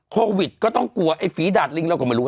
โควิดก็ต้องกลัวไอ้ฝีดาดลิงเราก็ไม่รู้